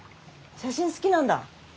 写真好きなんだ？